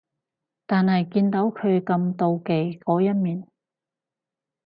但係見到佢咁妒忌嗰一面